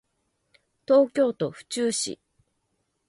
東京都府中市